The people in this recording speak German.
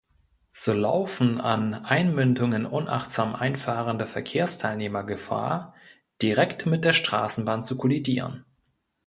So laufen an Einmündungen unachtsam einfahrende Verkehrsteilnehmer Gefahr, direkt mit der Straßenbahn zu kollidieren.